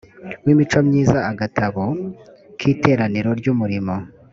w imico myiza agatabo k iteraniro ry umurimo